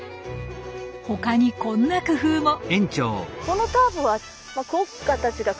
他にこんな工夫も。